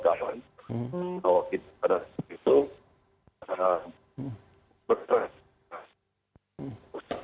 kalau kita ada situ berterus terus